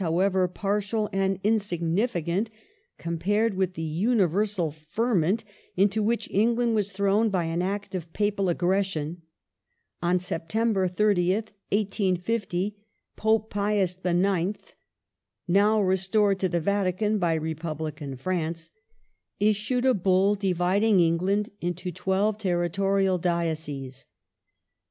The Ro however, partial and insignificant compared with the universal ^^J! ,. ferment into which England was thrown by an act of " Papal hierarchy aggression". On September 30th, 1850, Pope Pius IX., now re stored to the Vatican by Republican France, issued a Bull dividing England into twelve territorial dioceses.